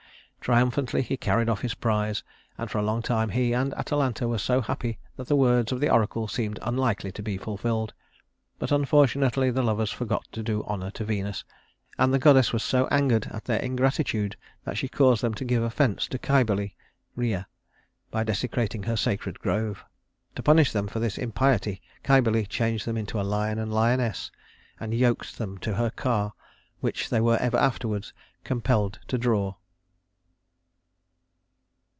Triumphantly he carried off his prize, and for a long time he and Atalanta were so happy that the words of the oracle seemed unlikely to be fulfilled; but unfortunately the lovers forgot to do honor to Venus, and the goddess was so angered at their ingratitude that she caused them to give offense to Cybele (Rhea) by desecrating her sacred grove. To punish them for this impiety, Cybele changed them into a lion and lioness, and yoked them to her car, which they were ever afterward compelled to draw.